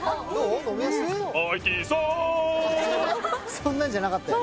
そんなんじゃなかったよね